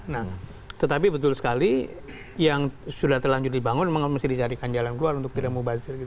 nah tetapi betul sekali yang sudah terlanjur dibangun memang mesti dicarikan jalan keluar untuk geram mubazir